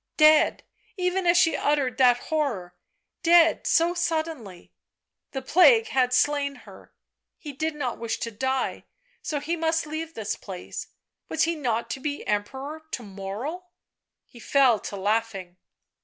Dead ! —even as she uttered that horror — dead so suddenly. The plague had slain her — he did not wish to die, so he must leave this place — was he not to be Emperor to morrow? He fell to laughing.